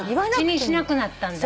口にしなくなったんだ。